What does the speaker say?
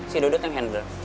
si dudut yang handle